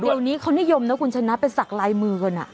เดี๋ยวนี้เขานิยมนะคุณชนะไปสักลายมือกัน